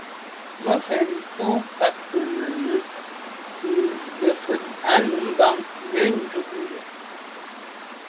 Mafentu nkâgtʉ̌n nə̀ ywǐd ngə̀fə̂l ì nù mbàŋ gə̀ jʉ́ jú.